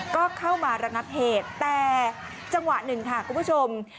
ก็เข้ามาระงับเหตุแต่จังหวะหนึ่งค่ะคุณผู้ชม